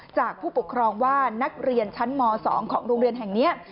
จากผู้ปกครองว่านักเรียนชั้นม๒ของโรงเรียนแห่งนี้